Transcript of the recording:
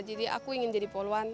jadi aku ingin jadi poluan